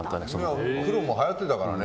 黒もはやっていたからね。